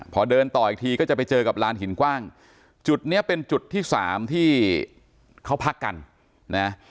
พอเดินต่ออีกทีก็จะไปเจอกับลานหินกว้างจุดนี้เป็นจุดที่สามที่เขาพักกันนะ